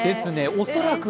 恐らく。